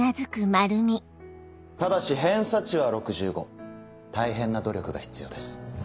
ただし偏差値は６５大変な努力が必要です。